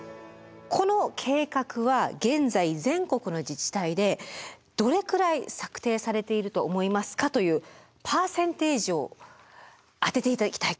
この計画は現在全国の自治体でどれくらい策定されていると思いますかというパーセンテージを当てて頂きたい。